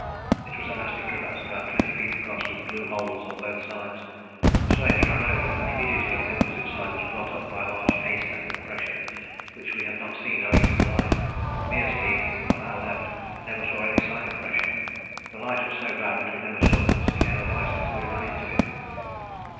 It was a nasty crevasse, about twenty feet across with blue holes on both sides. The sledge ran over and immediately on the opposite side was brought up by a large 'haystack' of pressure which we had not seen owing to the light. Meares' team, on our left, never saw any sign of pressure. The light was so bad that we never saw this cairn of ice until we ran into it.